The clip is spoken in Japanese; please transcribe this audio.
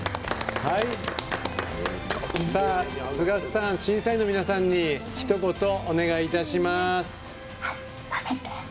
須賀さん審査員の皆さんにひと言、お願いいたします。